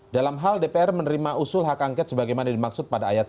dalam hal dpr menerima usul hak angket sebagaimana dimaksud pada ayat satu